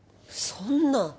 そんな。